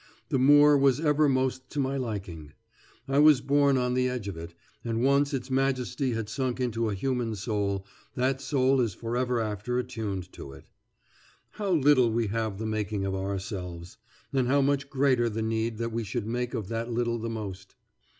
The moor was ever most to my liking. I was born on the edge of it, and once its majesty has sunk into a human soul, that soul is forever after attuned to it. How little we have the making of ourselves. And how much greater the need that we should make of that little the most.